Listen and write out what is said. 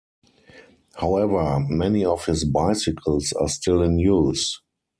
However, many of his bicycles are still in use.